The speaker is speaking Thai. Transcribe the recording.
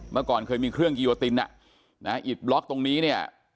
เมื่อก่อนเคยมีเครื่องกิโยตินอิดบล็อกตรงนี้เนี่ย